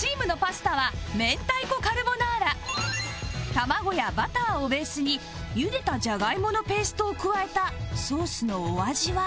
卵やバターをベースに茹でたジャガイモのペーストを加えたソースのお味は？